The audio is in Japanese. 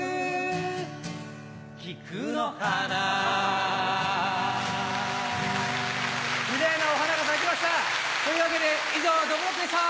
菊の花キレイなお花が咲きました！というわけで以上どぶろっくでした！